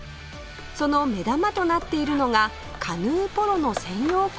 その目玉となっているのがカヌーポロの専用コート